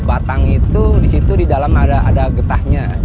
batang itu disitu di dalam ada getahnya